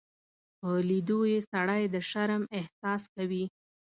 په لیدو یې سړی د شرم احساس کوي.